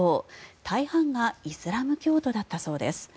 大半がイスラム教徒だったそうです。